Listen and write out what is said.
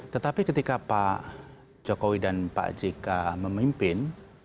tetapi ketika pak jokowi dan pak jk memimpin